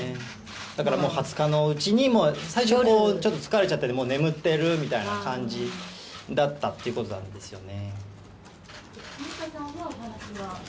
だからもう２０日のうちに、最初ちょっと疲れちゃって、もう眠ってるみたいな感じだったっていうことなんですよね。